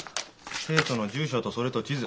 生徒の住所とそれと地図。